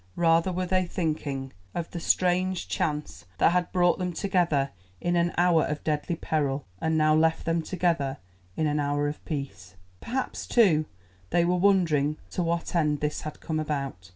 Rather were they thinking of the strange chance that had brought them together in an hour of deadly peril and now left them together in an hour of peace. Perhaps, too, they were wondering to what end this had come about.